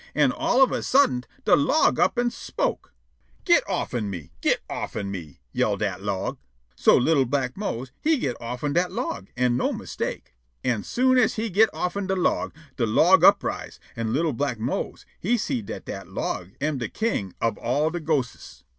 An' all on a suddent de log up and spoke: "Get offen me! Get offen me!" yell' dat log. So li'l' black Mose he git' offen dat log, an' no mistake. An' soon as he git' offen de log, de log uprise, an' li'l' black Mose he see' dat dat log am de king ob all de ghostes.